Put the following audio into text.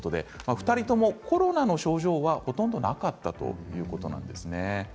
２人ともコロナの症状はほとんどなかったということなんですね。